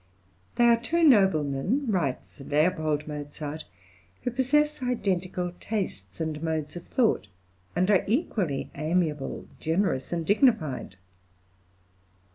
"They are two noblemen," writes L. Mozart, "who possess identical tastes and modes of thought, and are equally amiable, generous, and dignified."